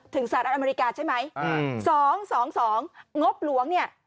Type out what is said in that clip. ถึงสหรัฐอเมริกาใช่ไหม๒๒๒งบหลวงเนี่ย